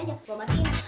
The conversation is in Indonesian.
ntar gua batiin